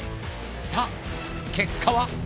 さぁ結果は！？